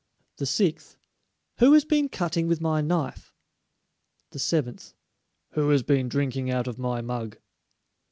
The sixth, "Who has been cutting with my knife?" The seventh, "Who has been drinking out of my mug?"